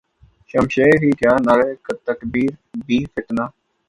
شمشیر ہی کیا نعرہ تکبیر بھی فتنہ